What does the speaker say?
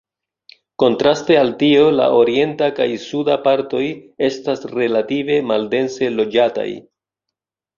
Kontraste al tio la orienta kaj suda partoj estas relative maldense loĝataj.